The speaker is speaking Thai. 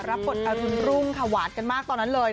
รับบทอรุณรุ่งค่ะหวานกันมากตอนนั้นเลย